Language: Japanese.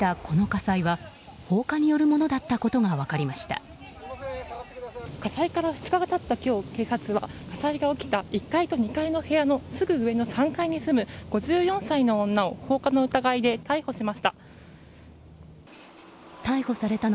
火災から２日が経った今朝警察は火災が起きた１階と２階の部屋のすぐ上の３階に住む５４歳の女を放火の疑いで逮捕しました。